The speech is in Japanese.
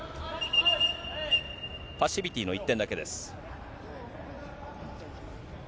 パッシビティの１点だけです。